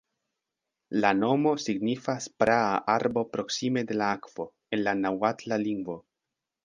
La nomo signifas "praa arbo proksime de la akvo" en la naŭatla lingvo.